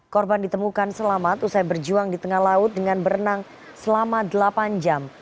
korban ditemukan selamat usai berjuang di tengah laut dengan berenang selama delapan jam